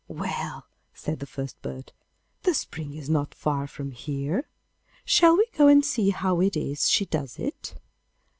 'Well,' said the first bird, 'the spring is not far from here. Shall we go and see how it is she does it?